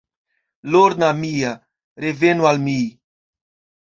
Lorna mia, revenu al mi!